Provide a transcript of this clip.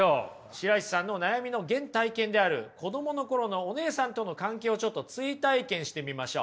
白石さんの悩みの原体験である子どもの頃のお姉さんとの関係をちょっと追体験してみましょう。